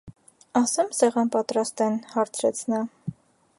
- Ասե՞մ սեղան պատրաստեն,- հարցրեց նա: